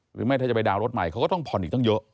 หรือไม่ถ้าจะไปดาวนรถใหม่เขาก็ต้องผ่อนอีกตั้งเยอะ